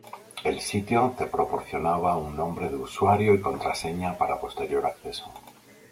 El sitio te proporcionaba un nombre de usuario y contraseña para posterior acceso.